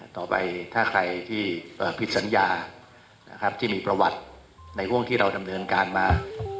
ต่อไปถ้าใครที่ผิดสัญญานะครับที่มีประวัติในห่วงที่เราดำเนินการมา